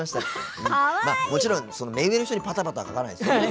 もちろん、目上の人に「パタパタ」は書かないですよ。